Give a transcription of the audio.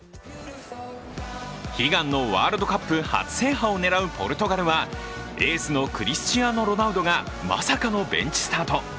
悲願のワールドカップ初制覇を狙うポルトガルはエースのクリスチアーノ・ロナウドがまさかのベンチスタート。